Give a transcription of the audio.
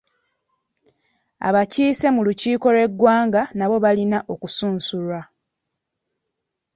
Abakiise mu lukiiko lw'eggwanga nabo balina okusunsulwa.